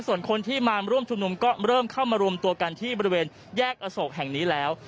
ส่วนคนที่มาร่วมชุมนุมก็เริ่มเข้ามารวมตัวกันที่บริเวณแยกอโศกแห่งนี้แล้ว